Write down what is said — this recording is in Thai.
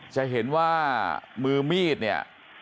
จะเห็นว่ามือมีดเนี่ย